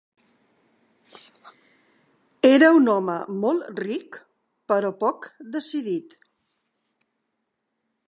Era un home molt ric però poc decidit.